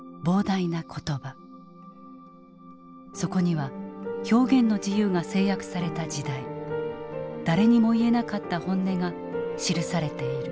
そこには表現の自由が制約された時代誰にも言えなかった本音が記されている。